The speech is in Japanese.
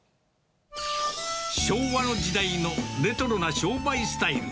昭和の時代のレトロな商売スタイル。